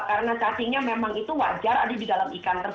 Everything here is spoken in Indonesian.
karena cacingnya memang itu wajar ada di dalam ikan tersebut